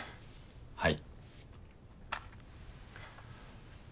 はい。